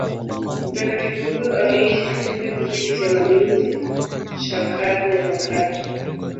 Mtakatifu huyo aliishi katika kipindi cha mageuzi cha Karne za kati.